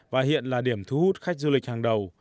và hiện là điểm thu hút khách du lịch hàng đầu